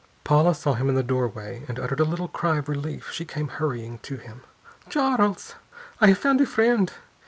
Paula saw him in the doorway, and uttered a little cry of relief. She came hurrying to him. "Charles! I have found a friend!